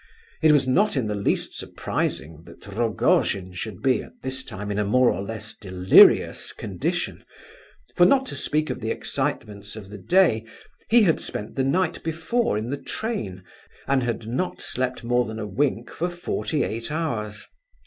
It was not in the least surprising that Rogojin should be, at this time, in a more or less delirious condition; for not to speak of the excitements of the day, he had spent the night before in the train, and had not slept more than a wink for forty eight hours.